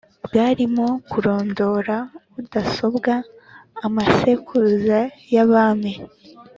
bwarimo kurondora udasobwa amasekuruza y'abami